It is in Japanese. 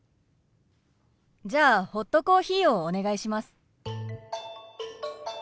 じゃあホットコーヒーをお願いします。